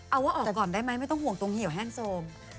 เอาว่าออกแต่ก่อนได้ไหมไม่ต้องห่วงตรงเหี่ยวแห้งโซม